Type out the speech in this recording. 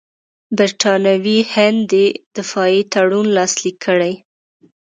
برټانوي هند دې دفاعي تړون لاسلیک کړي.